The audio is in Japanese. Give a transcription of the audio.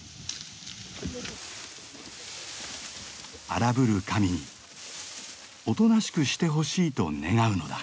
荒ぶる神におとなしくしてほしいと願うのだ。